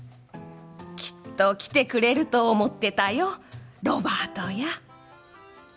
「きっと来てくれると思ってたよ、ロバートや」